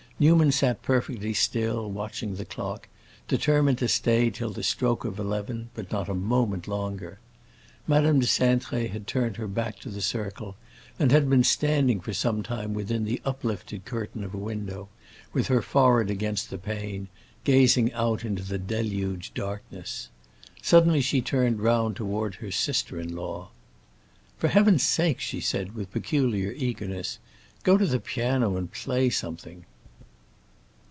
Newman sat perfectly still, watching the clock, determined to stay till the stroke of eleven, but not a moment longer. Madame de Cintré had turned her back to the circle, and had been standing for some time within the uplifted curtain of a window, with her forehead against the pane, gazing out into the deluged darkness. Suddenly she turned round toward her sister in law. "For Heaven's sake," she said, with peculiar eagerness, "go to the piano and play something."